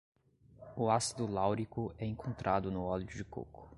O ácido láurico é encontrado no óleo de coco